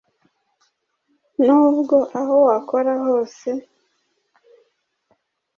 n’ubwo aho wakora hose